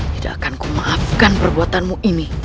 tidak akan kumaafkan perbuatanmu ini